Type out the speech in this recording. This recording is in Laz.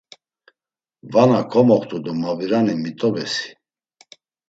Vana komoxt̆u do mabirani, mit̆obesi?